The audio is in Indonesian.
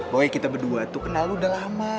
boy kita berdua tuh kenal udah lama